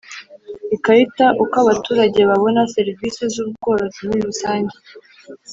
Ikarita Uko abaturage babona serivisi z ubworozi muri rusange